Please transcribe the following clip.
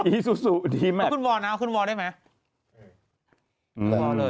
อีซูซูดีไหมเอาคุณวอร์นะเอาคุณวอลได้ไหม